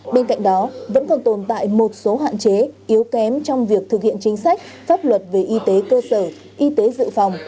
bên cạnh đó vẫn còn tồn tại một số hạn chế yếu kém trong việc thực hiện chính sách pháp luật về y tế cơ sở y tế dự phòng